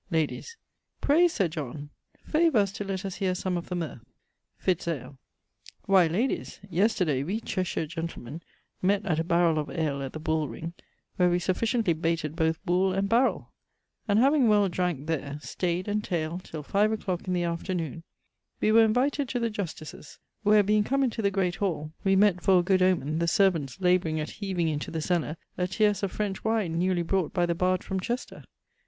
Ladyes. Pray, Sir John, favour us to let us heare some of the mirth. Fitz ale. Why, ladies, yesterday we Cheshire gentlemen mett at a barrell of ale at the bull ring where we sufficiently bayted both bull and barrell; and having well dranke there, staved and tayled, till 5 a clock i' th' afternoon, wee were invited to the Justice's; where being come into the great hall wee mett for a good omen the servants labouring at heaving into the cellar a teirce of French wine, newly brought by the barge from Chester.